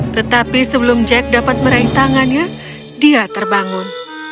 tetapi sebelum jack dapat meraih tangannya dia terbangun